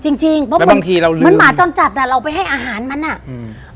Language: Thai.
จริงจริงเพราะบางทีเราลืมเหมือนหมาจรจัดน่ะเราไปให้อาหารมันอ่ะอืม